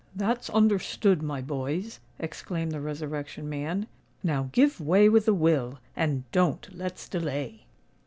"That's understood, my boys," exclaimed the Resurrection Man. "Now, give way with a will, and don't let's delay."